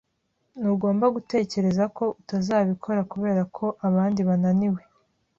Ntugomba gutekereza ko utazabikora kuberako abandi bananiwe.